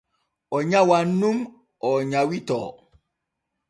O nyawan nun o nyawitoo.